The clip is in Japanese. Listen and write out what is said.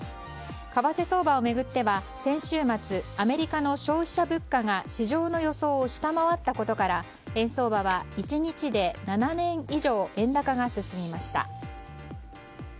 為替相場を巡っては先週末アメリカの消費者物価が市場の予想を下回ったことから円相場は１日で７円以上円高が進みました。